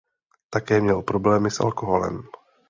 Také měl problémy s alkoholem.